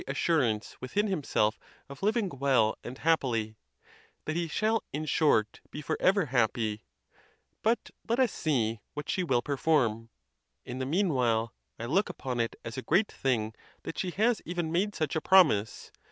assurance within himself of living well and happily—that he shall, in short, be forever WHETHER VIRTUE ALONE BE SUFFICIENT. 171 happy? But let us see what she will perform? In the mean while, I look upon it as a great thing that she has even made such a promise.